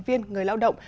viên người lao động